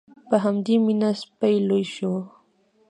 په همدې مینه سپی لوی شو.